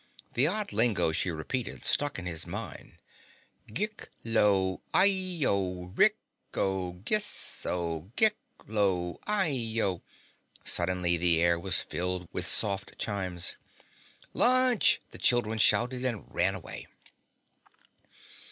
The odd lingo she repeated stuck in his mind: "Gik lo, I o, Rik o, Gis so. Gik lo, I o...." Suddenly the air was filled with soft chimes. "Lunch," the children shouted and ran away.